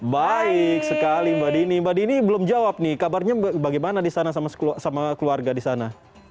baik sekali mbak dini mbak dini belum jawab nih kabarnya bagaimana di sana sama keluarga di sana